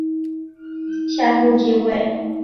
武公之子邾子夏父继位。